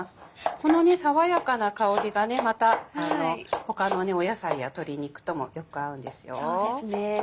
この爽やかな香りがまた他の野菜や鶏肉ともよく合うんですよ。